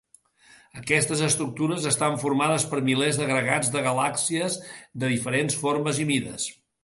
Aquestes estructures estan formades per milers d'agregats de galàxies de diferents formes i mides.